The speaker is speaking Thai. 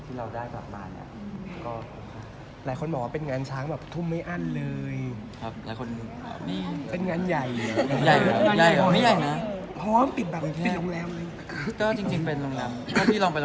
ทุกวันที่ก็ต้องอัพเดตแล้วว่าของกรุณเทศเป็นยังไงสนุนยังไง